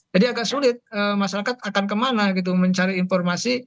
jadi agak sulit masyarakat akan kemana mencari informasi